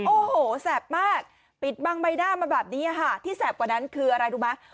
โอ้โหแสบมากปิดบังใบหน้ามาแบบนี้ค่ะที่แสบกว่านั้นคืออะไรรู้ไหม